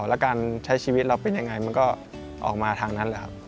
แล้วการใช้ชีวิตเราเป็นยังไงมันก็ออกมาทางนั้นแหละครับ